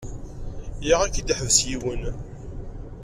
Ilaq ad k-id-iḥbes yiwen.